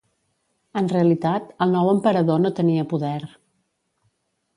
En realitat, el nou Emperador no tenia poder.